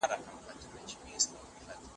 پروفیسور ګوډسبي د نوو درملو اغېز څېړي.